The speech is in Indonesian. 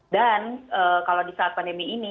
dan kalau di saat pandemi ini